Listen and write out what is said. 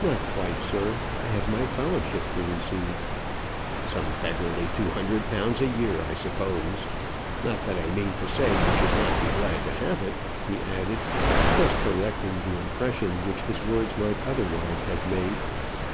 "Not quite, sir; I have my fellowship to receive." "Some beggarly two hundred pounds a year, I suppose. Not that I mean to say you should not be glad to have it," he added, thus correcting the impression which his words might otherwise have made.